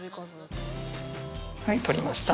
はい取りました。